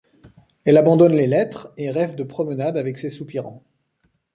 Elle abandonne les lettres et rêve de promenade avec ses soupirants.